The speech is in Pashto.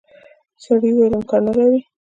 سړي وویل امکان نه لري.